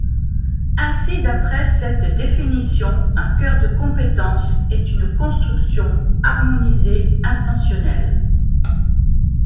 Ainsi d’après cette définition un cœur de compétence est une construction harmonisée intentionnelle.